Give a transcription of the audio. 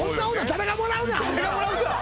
誰がもらうか！